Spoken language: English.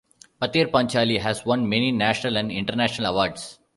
"Pather Panchali" has won many national and international awards.